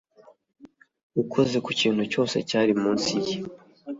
Ukoze ku kintu cyose cyari munsi ye